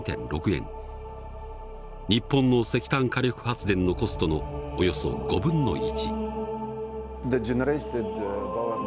日本の石炭火力発電のコストのおよそ５分の１。